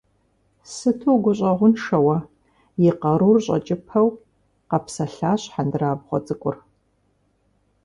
Сыту угущӀэгъуншэ уэ, - и къарур щӀэкӀыпэу къэпсэлъащ хьэндырабгъуэ цӀыкӀур.